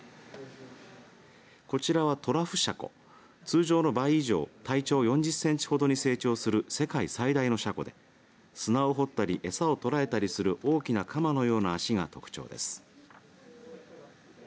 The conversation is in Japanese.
こちらは、トラフシャコ通常の倍以上体長４０センチほどに成長する世界最大のシャコで砂を掘ったり餌を捕らえたりする大きな鎌のような脚が特徴です。